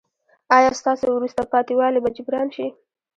ایا ستاسو وروسته پاتې والی به جبران شي؟